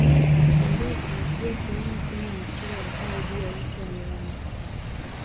Kondoa kuna pia sehemu penye michoro ya kale juu ya uso ya miamba